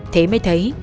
thế mới thấy